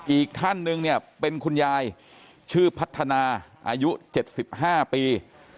อีกท่านหนึ่งเนี่ยเป็นคุณยายชื่อพัฒนาอายุ๗๕ปี